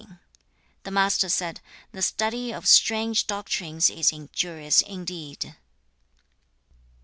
The Master said, 'The study of strange doctrines is injurious indeed!'